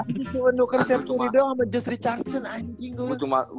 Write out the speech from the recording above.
anjing cuma nuker serturi doang sama josh richardson anjing